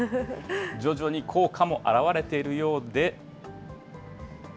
徐々に効果も表れているようで。